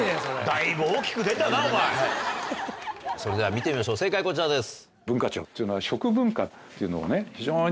それでは見てみましょう正解こちらです。